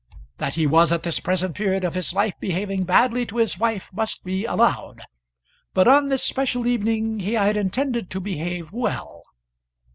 That he was at this present period of his life behaving badly to his wife must be allowed, but on this special evening he had intended to behave well.